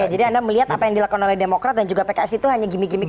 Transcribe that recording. oke jadi anda melihat apa yang dilakukan oleh demokrat dan juga pks itu hanya gimmick gimmick